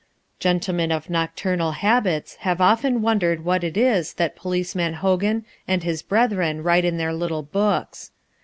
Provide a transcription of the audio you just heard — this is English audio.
Gentlemen of nocturnal habits have often wondered what it is that Policeman Hogan and his brethren write in their little books.